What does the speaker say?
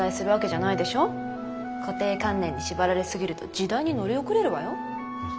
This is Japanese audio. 固定観念に縛られ過ぎると時代に乗り遅れるわよ。